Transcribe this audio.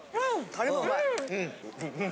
タレがうまい。